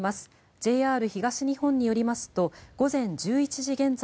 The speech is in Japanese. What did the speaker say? ＪＲ東日本によりますと午前１１時現在